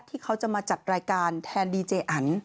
ที่เขาจะมาจัดรายการแทนดีเจอัน